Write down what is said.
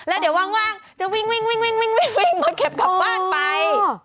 แล้วเดี๋วว่างหล่างมันจะวิ่งกำลังจะเข็ปกลับบ้านไป